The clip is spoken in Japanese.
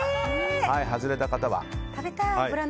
外れた方は。